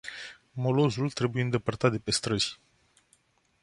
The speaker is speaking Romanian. Molozul trebuie îndepărtat de pe străzi.